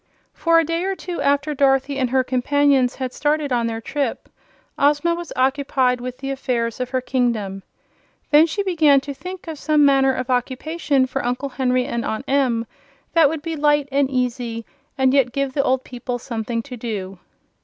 For a day or two after Dorothy and her companions had started on their trip, Ozma was occupied with the affairs of her kingdom. Then she began to think of some manner of occupation for Uncle Henry and Aunt Em that would be light and easy and yet give the old people something to do.